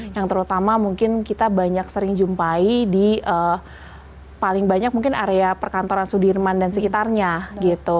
yang terutama mungkin kita banyak sering jumpai di paling banyak mungkin area perkantoran sudirman dan sekitarnya gitu